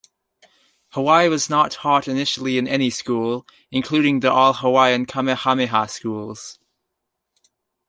Hawaiian was not taught initially in any school, including the all-Hawaiian Kamehameha Schools.